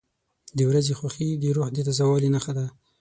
• د ورځې خوښي د روح د تازه والي نښه ده.